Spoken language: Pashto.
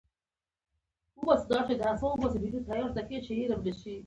د پارلمان غړي یې بیا راوغوښتل.